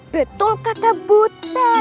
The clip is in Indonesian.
betul kata butet